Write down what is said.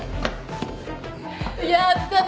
やったね！